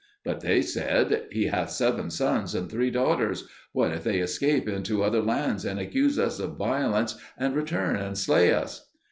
But they said, "He hath seven sons and three daughters; what if they escape into other lands and accuse us of violence, and return and slay us?"